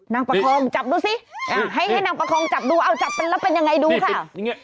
ประคองจับดูสิให้นางประคองจับดูเอาจับเป็นแล้วเป็นยังไงดูค่ะ